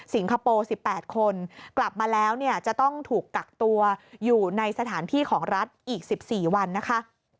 คโปร์๑๘คนกลับมาแล้วเนี่ยจะต้องถูกกักตัวอยู่ในสถานที่ของรัฐอีก๑๔วันนะคะ